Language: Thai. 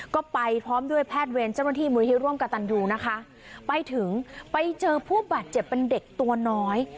ก็ไปพร้อมด้วยแพทย์เวรเจ้าหน้าที่มูลที่ร่วมกับตันยูนะคะไปถึงไปเจอผู้บาดเจ็บเป็นเด็กตัวน้อย